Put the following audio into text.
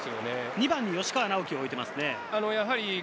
２番に吉川尚輝を置いています。